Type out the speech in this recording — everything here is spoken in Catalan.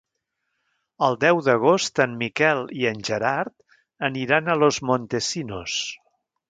El deu d'agost en Miquel i en Gerard aniran a Los Montesinos.